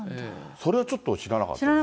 それはちょっと知らなかったですね。